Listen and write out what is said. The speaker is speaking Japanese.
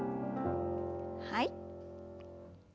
はい。